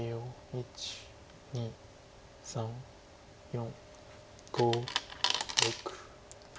１２３４５６７。